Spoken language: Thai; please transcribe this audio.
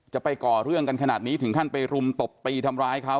ไปก่อเรื่องกันขนาดนี้ถึงขั้นไปรุมตบตีทำร้ายเขา